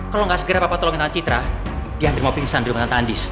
kalo nggak segera papa tolongin tante citra dia ambil mobil ngesan di rumah tante andis